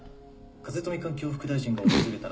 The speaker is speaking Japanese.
風富環境副大臣が訪れたのは。